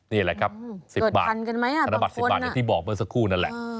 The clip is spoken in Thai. นี่แหละครับ๑๐บาทธนบัตร๑๐บาทอย่างที่บอกเมื่อสักครู่นั่นแหละ